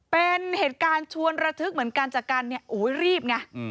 เป็นเหตุการณ์ชวนระทึกเหมือนกันจากการเนี่ยโอ้ยรีบไง